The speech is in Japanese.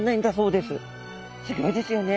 すギョいですよね。